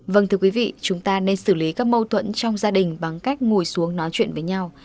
vâng thưa quý vị chúng ta nên xử lý các mâu thuẫn trong gia đình bằng cách ngồi xuống nói chuyện với nhau